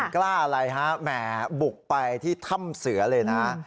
กล้าอะไรฮะแหมบุกไปที่ถ้ำเสือเลยนะ